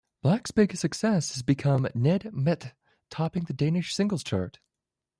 Blak's biggest success has become "Nede mette" topping the Danish singles chart.